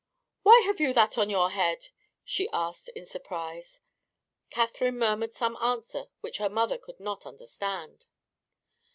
"Why have you that on your head?" she asked in surprise. Catherine murmured some answer which her mother could not understand.